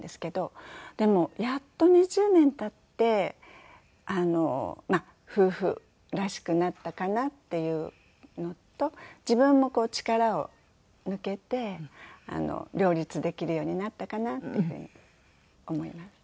でもやっと２０年経って夫婦らしくなったかなっていうのと自分もこう力を抜けて両立できるようになったかなっていうふうに思います。